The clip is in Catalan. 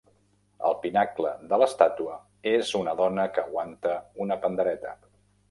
El pinacle de l'estàtua és una dona que aguanta una pandereta.